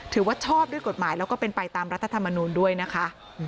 ถือว่าชอบด้วยกฎหมายแล้วก็เป็นไปตามรัฐธรรมนูลด้วยนะคะ